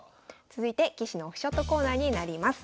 続いて棋士のオフショットコーナーになります。